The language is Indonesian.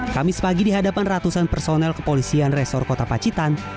kamis pagi dihadapan ratusan personel kepolisian resor kota pacitan